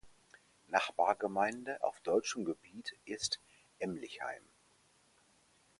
Nachbargemeinde auf deutschem Gebiet ist Emlichheim.